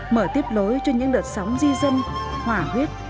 mở tiếp lối cho những đợt sóng di dân hòa huyết